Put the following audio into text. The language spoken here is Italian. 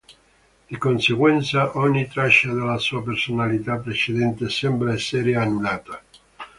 Di conseguenza, ogni traccia della sua personalità precedente sembra essere annullata.